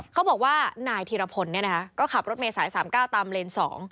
เขาบอกว่านายธิรพลเนี่ยนะคะก็ขับรถเมษาย๓๙ตามเลนส์สอง